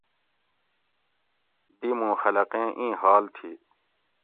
دی مُوں خلقیں اِیں حال تھی